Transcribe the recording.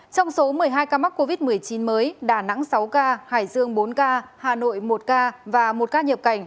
trong số một mươi hai ca mắc covid một mươi chín mới đà nẵng sáu ca hải dương bốn ca hà nội một ca và một ca nhập cảnh